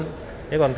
các đồng chí cấp cao